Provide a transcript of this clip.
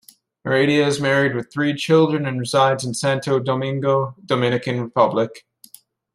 Heredia is married with three children and resides in Santo Domingo, Dominican Republic.